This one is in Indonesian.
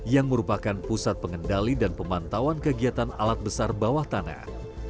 yang merupakan pusat pengendali dan pemantauan kegiatan alat besar bawah tanah